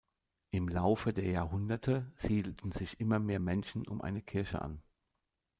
Im Laufe der Jahrhunderte siedelten sich immer mehr Menschen um eine Kirche an.